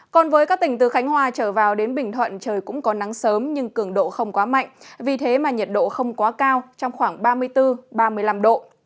còn với các tỉnh từ khánh hòa trở vào đến bình thuận trời cũng có nắng sớm nhưng cường độ không quá mạnh vì thế mà nhiệt độ không quá cao trong khoảng ba mươi bốn ba mươi năm độ